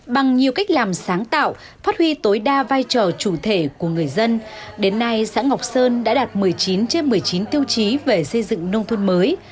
bằng nhiều cách làm sáng tạo phát huy tối đa vai trò chủ thể của người dân đến nay xã ngọc sơn đã đạt một mươi chín trên một mươi chín tiêu chí về xây dựng nông thôn mới